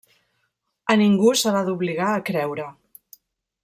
A ningú se l'ha d'obligar a creure.